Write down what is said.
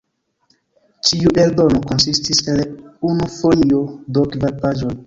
Ĉiu eldono konsistis el unu folio, do kvar paĝoj.